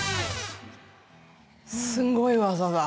すごい技だ。